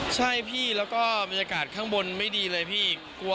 ใช่พี่แล้วก็บรรยากาศข้างบนไม่ดีเลยพี่